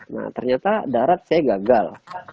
nah ternyata darat saya gagal